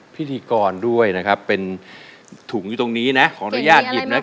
พิธีกรด้วยนะครับเป็นถุงอยู่ตรงนี้นะขออนุญาตหยิบนะ